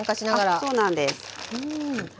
あっそうなんです。